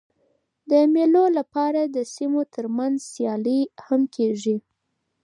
د مېلو له پاره د سیمو تر منځ سیالۍ هم کېږي.